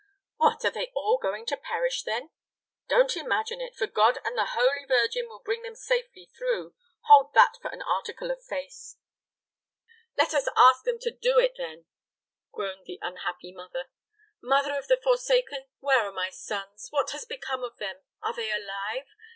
"What, are they all going to perish, then?" "Don't imagine it, for God and the Holy Virgin will bring them safely through; hold that for an article of faith." "Let us ask them to do it, then," groaned the unhappy mother. "Mother of the forsaken! where are my sons? What has become of them? Are they alive?